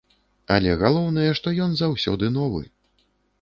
Але галоўнае, што ён заўсёды новы.